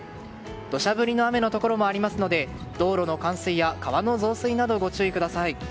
土砂降りの雨のところもありますので道路の冠水や川の増水などご注意ください。